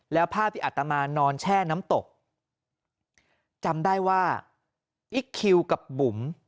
แล้วภาพที่อัตมานอนแช่น้ำตกจำได้ว่าอิ๊กคิวกับบุ๋ม